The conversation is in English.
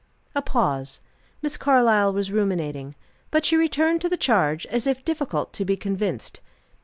A pause. Miss Carlyle was ruminating. But she returned to the charge, as if difficult to be convinced.